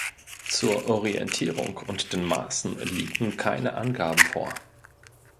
Zur Orientierung und den Maßen liegen keine Angaben vor.